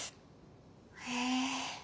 へえ。